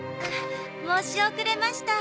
申し遅れました。